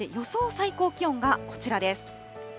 最高気温がこちらです。